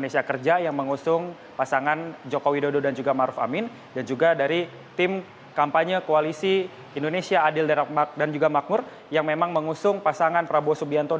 selamat malam yuda